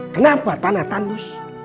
kenapa tanah tandus